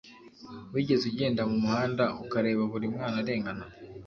wigeze ugenda mumuhanda ukareba buri mwana arengana